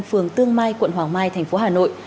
phường tương mai quận hoàng mai thành phố hà nội